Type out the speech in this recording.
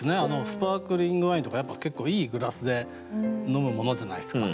スパーリングワインとか結構いいグラスで飲むものじゃないですか。